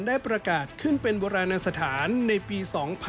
ได้ประกาศขึ้นเป็นโบราณสถานในปี๒๕๖๒